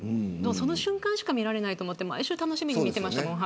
その瞬間しか見られないと思って毎週、楽しみに見てましたもん。